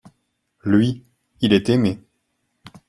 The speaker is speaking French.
lui, il est aimé.